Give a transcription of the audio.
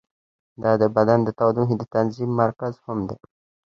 دا د بدن د تودوخې د تنظیم مرکز هم دی.